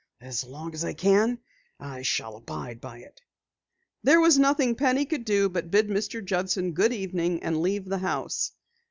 "As long as I can, I shall abide by it." There was nothing Penny could do but bid Mr. Judson good evening and leave the house.